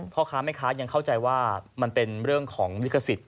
พ่อค้าแม่ค้ายังเข้าใจว่ามันเป็นเรื่องของลิขสิทธิ